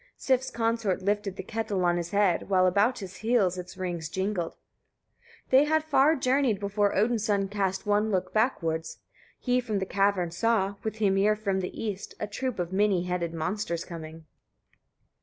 Sif's consort lifted the kettle on his head, while about his heels its rings jingled. 35. They had far journeyed before Odin's son cast one look backward: he from the caverns saw, with Hymir from the east, a troop of many headed monsters coming.